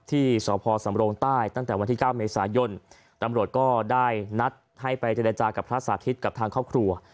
ที่สพสำรงใต้ตั้งแต่วันที่๙เมษายนตำรวจก็ได้นัดให้ไปเจรจากับพระสาธิตกับทางครอบครัว